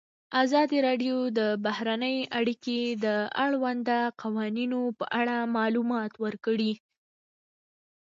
ازادي راډیو د بهرنۍ اړیکې د اړونده قوانینو په اړه معلومات ورکړي.